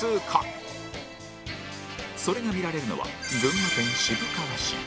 それが見られるのは群馬県渋川市